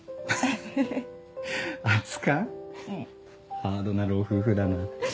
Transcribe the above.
ハードな老夫婦だな。